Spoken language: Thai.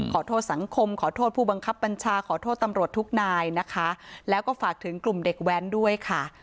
ขอโทษสังคมขอโทษผู้บังคับบัญชาขอโทษตำรวจทุกนายนะคะแล้วก็ฝากถึงกลุ่มเด็กแว้นด้วยค่ะ